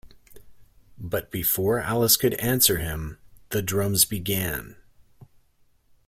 But before Alice could answer him, the drums began.